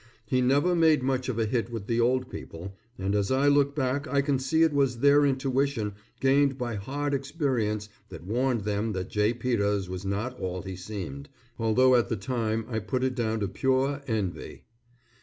He never made much of a hit with the old people, and as I look back I can see it was their intuition gained by hard experience that warned them that J. Peters was not all he seemed, although at the time I put it down to pure envy.